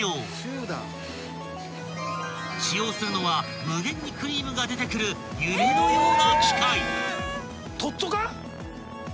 ［使用するのは無限にクリームが出てくる夢のような機械］わ！